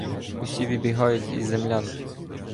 Усі вибігають із землянки.